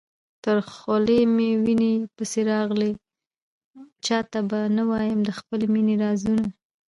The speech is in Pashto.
تر خولې مي وېني پسي راغلې، چاته به نه وايم د خپل مېني رازونه